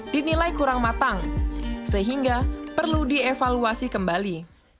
dinilai kurang matang sehingga perlu dievaluasi kembali